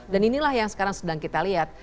dan inilah yang sekarang sedang kita lihat